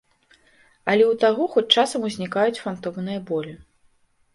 Але ў таго хоць часам узнікаюць фантомныя болі.